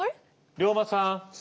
龍馬さん？